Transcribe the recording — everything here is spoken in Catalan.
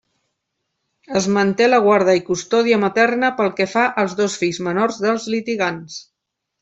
Es manté la guarda i custòdia materna pel que fa als dos fills menors dels litigants.